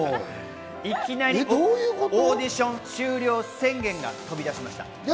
いきなりオーディション終了宣言が飛び出しました。